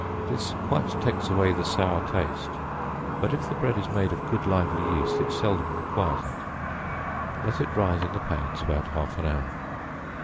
This quite takes away the sour taste, but if the bread is made of good lively yeast, it seldom requires it; let it rise in the pans about half an hour.